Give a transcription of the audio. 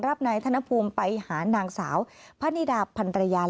นายธนภูมิไปหานางสาวพะนิดาพันรยา